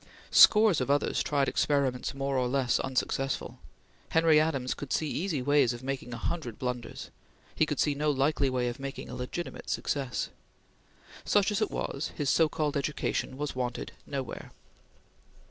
Scores of others tried experiments more or less unsuccessful. Henry Adams could see easy ways of making a hundred blunders; he could see no likely way of making a legitimate success. Such as it was, his so called education was wanted nowhere.